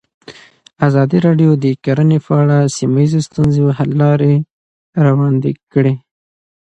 ازادي راډیو د کرهنه په اړه د سیمه ییزو ستونزو حل لارې راوړاندې کړې.